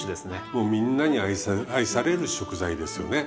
もうみんなに愛される食材ですよね。